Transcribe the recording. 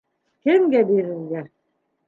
— Кемгә бирергә?